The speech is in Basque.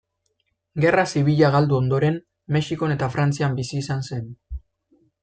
Gerra Zibila galdu ondoren, Mexikon eta Frantzian bizi izan zen.